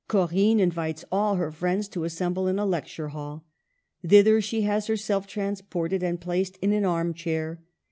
Corinne invites all her friends to as semble in a lecture hall. Thither she has her self transported and placed in an arm chair.